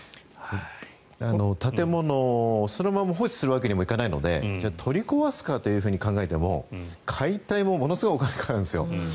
建物をそのまま放置するわけにもいかないので取り壊すかというふうに考えても解体もものすごくお金がかかるんですよ。